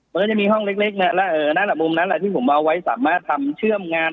มันก็จะมีห้องเล็กเล็กน่ะแล้วเอ่อนั่นละมุมนั้นล่ะที่ผมเอาไว้สามารถทำเชื่อมงาน